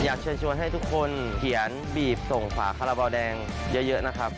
อยากเชิญชวนให้ทุกคนเขียนบีบส่งฝาคาราบาลแดงเยอะนะครับ